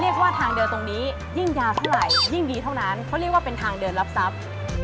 เรียกว่าทางเดียวตรงนี้ยิ่งยาวเท่าไหร่ยิ่งดีเท่านั้นเขาเรียกว่าเป็นทางเดินรับทรัพย์